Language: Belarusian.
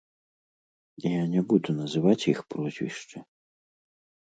Я не буду называць іх прозвішчы.